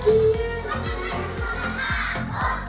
ketika itu saya akan melarang